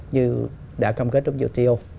như đã công kết trong uto